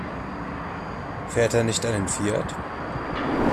Fährt er nicht einen Fiat?